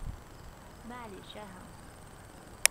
Maɛlic, aha!